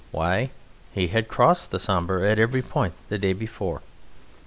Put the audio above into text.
Why, he had crossed the Sambre at every point the day before!